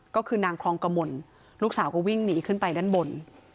ก็คือนางคลองกมลลูกสาวก็วิ่งหนีขึ้นไปด้านบน